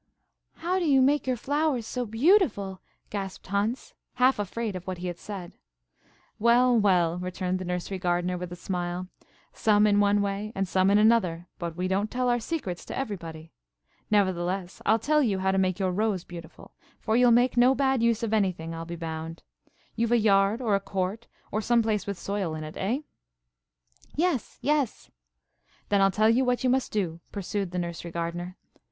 "How do you make your flowers so beautiful?" gasped Hans, half afraid of what he had said. "Well, well," returned the nursery gardener, with a smile, "some in one way and some in another; but we don't tell our secrets to everybody. Nevertheless, I'll tell you how to make your rose beautiful, for you'll make no bad use of anything, I'll be bound. You've a yard or a court, or some place with soil in it, eh?" "Yes, yes," cried Hans. "Then I'll tell you what you must do," pursued the nursery gardener.